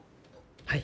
はい。